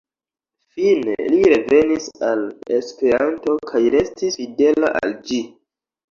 Fine, li revenis al Esperanto kaj restis fidela al ĝi.